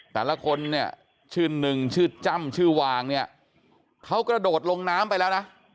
แต่ละคนเนี่ยชื่อหนึ่งชื่อจ้ำชื่อวางเนี่ยเขากระโดดลงน้ำไปแล้วนะ